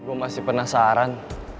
gue masih penasaran